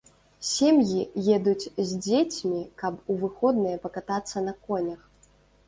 Сем'і едуць з дзецьмі, каб у выходныя пакатацца на конях.